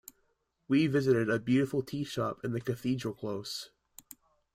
We visited a beautiful teashop in the Cathedral close.